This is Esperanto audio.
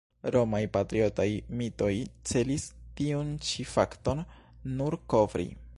Romaj patriotaj mitoj celis tiun ĉi fakton nur kovri.